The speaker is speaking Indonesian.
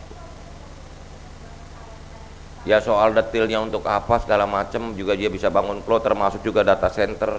ya soal detailnya untuk apa segala macam juga dia bisa bangun flow termasuk juga data center